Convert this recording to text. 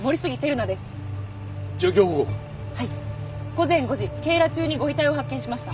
午前５時警ら中にご遺体を発見しました。